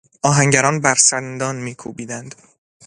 آهنگران بر سندان میکوبیدند.